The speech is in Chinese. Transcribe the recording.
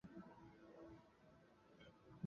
其父张其锽。